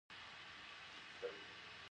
ایا ستاسو ګروي به خلاصه نه شي؟